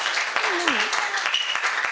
何？